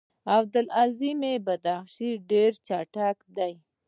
عبدالعظیم بدخشي ډېر چټک دی.